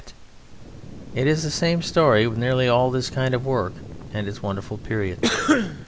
It is the same story with nearly all this kind of work and its wonderful period.